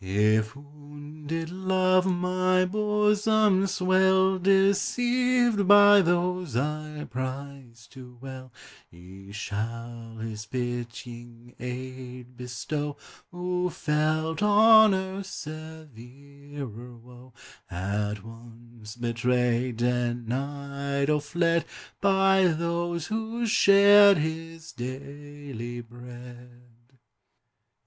If wounded love my bosom swell, Deceived by those I prized too well, He shall His pitying aid bestow Who felt on earth severer woe, At once betrayed, denied, or fled, By those who shared His daily bread.